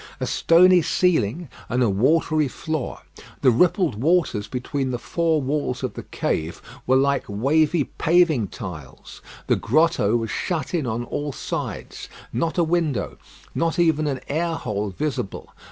A stony ceiling and a watery floor. The rippled waters between the four walls of the cave were like wavy paving tiles. The grotto was shut in on all sides. Not a window, not even an air hole visible.